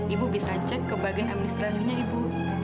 ibu bisa cek ke bagian administrasinya ibu